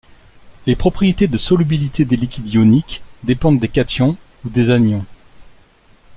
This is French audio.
Les propriétés de solubilité des liquides ioniques dépendent des cations ou des anions.